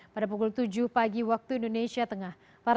pada pukul tujuh pagi waktu indonesia tengah